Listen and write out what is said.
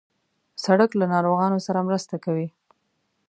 سړک له ناروغانو سره مرسته کوي.